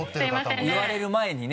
言われる前にね